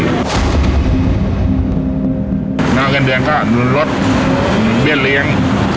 ในตอนเดินเนื่องก็รุนรถอื้อเบี้ยเลี้ยง